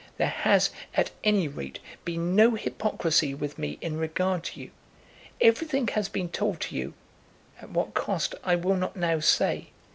There has, at any rate, been no hypocrisy with me in regard to you. Everything has been told to you; at what cost I will not now say.